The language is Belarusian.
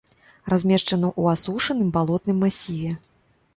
Размешчана ў асушаным балотным масіве.